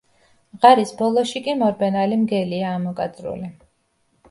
ღარის ბოლოში კი მორბენალი მგელია ამოკაწრული.